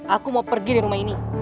aku mau pergi di rumah ini